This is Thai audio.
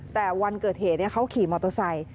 แต่วันเกิดเหตุเขาขี่มอเตอร์ไซค์